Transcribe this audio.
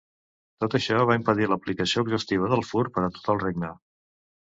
Tot això va impedir l'aplicació exhaustiva del fur per a tot el regne.